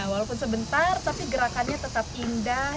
walaupun sebentar tapi gerakannya tetap indah